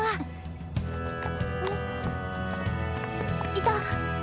いた！